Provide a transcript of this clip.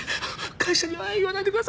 会社には言わないでください！